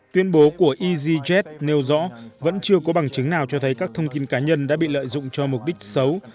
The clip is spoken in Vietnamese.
tuyên bố của egz nêu rõ vẫn chưa có bằng chứng nào cho thấy các thông tin cá nhân đã bị lợi dụng cho mục đích xấu